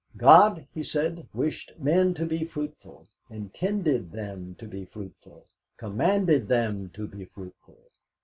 God he said wished men to be fruitful, intended them to be fruitful, commanded them to be fruitful.